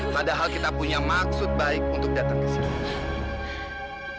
padahal kita punya maksud baik untuk datang ke sini